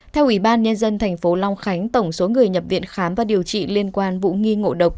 theo ủy ban nhân dân tp long khánh tổng số người nhập viện khám và điều trị liên quan vụ nghi ngộ độc